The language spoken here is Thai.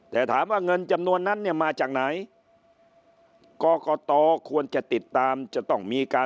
แต่ถามว่าเงินจำนวนนั้นเนี่ยมาจากไหนกรกตควรจะติดตามจะต้องมีการ